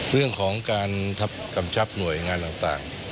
เรื่องของการกำชับหน่วยงานต่าง